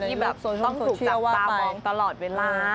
ที่แบบต้องถูกจับตามองตลอดเวลา